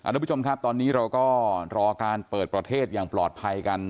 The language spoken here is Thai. ทุกผู้ชมครับตอนนี้เราก็รอการเปิดประเทศอย่างปลอดภัยกัน